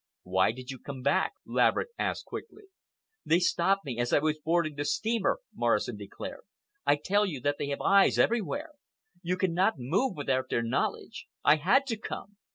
"Why did you come back?" Laverick asked quickly. "They stopped me as I was boarding the steamer," Morrison declared. "I tell you they have eyes everywhere. You cannot move without their knowledge. I had to come.